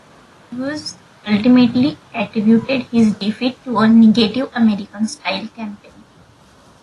Rodriguez ultimately attributed his defeat to a "negative, American-style campaign".